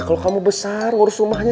kalau kamu besar ngurus rumahnya